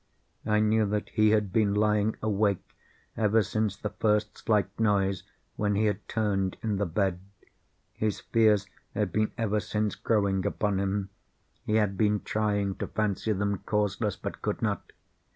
I knew that he had been lying awake ever since the first slight noise, when he had turned in the bed. His fears had been ever since growing upon him. He had been trying to fancy them causeless, but could not.